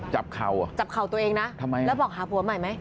เข่าอ่ะจับเข่าตัวเองนะทำไมแล้วบอกหาผัวใหม่ไหม